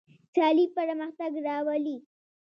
سیالي پرمختګ راولي.